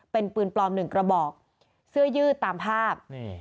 เป็นปืนปลอมหนึ่งกระบอกเสื้อยืดตามภาพ